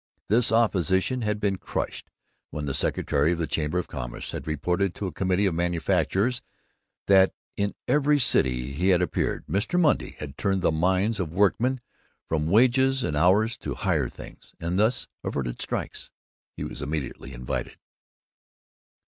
This opposition had been crushed when the secretary of the Chamber of Commerce had reported to a committee of manufacturers that in every city where he had appeared, Mr. Monday had turned the minds of workmen from wages and hours to higher things, and thus averted strikes. He was immediately invited.